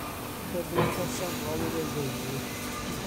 Rhyddid personol yw ei freuddwyd.